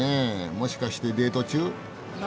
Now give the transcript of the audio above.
もしかしてデート中？